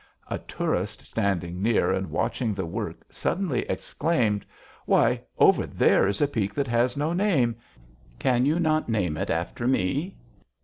A tourist standing near and watching the work suddenly exclaimed: "Why, over there is a peak that has no name. Can you not name it after me?"